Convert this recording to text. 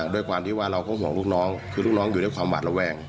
ด้วยความที่ว่าเราก็ห่วงลูกน้องคือลูกน้องอยู่ด้วยความหวาดระแวง